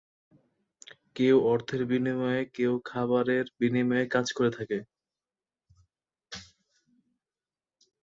কেউ অর্থের বিনিময়ে, কেউ শুধু খাবারের বিনিময়ে কাজ করে থাকে।